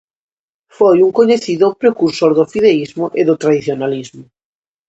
Foi un coñecido precursor do fideísmo e do tradicionalismo.